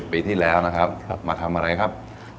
ปีที่แล้วนะครับมาทำอะไรครับ